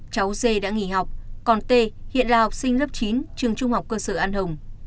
cháu dê đã nghỉ học còn t hiện là học sinh lớp chín trường trung học cơ sở an hồng